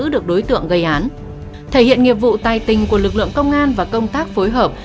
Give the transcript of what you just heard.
được đối tượng gây án thể hiện nghiệp vụ tài tình của lực lượng công an và công tác phối hợp